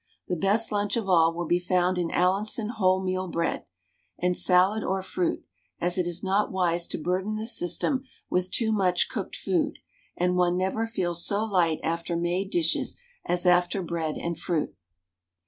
The best lunch of all will be found in Allinson wholemeal bread, and salad or fruit, as it is not wise to burden the system with too much cooked food, and one never feels so light after made dishes as after bread and fruit.